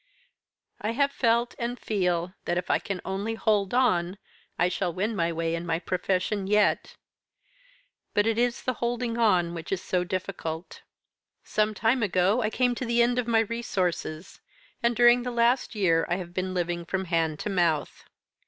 I have felt, and feel, that if I can only hold on, I shall win my way in my profession yet. But it is the holding on which is so difficult. Some time ago I came to the end of my resources, and during the last year I have been living from hand to mouth.